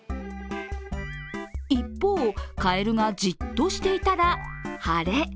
一方、カエルがじっとしていたら晴れ。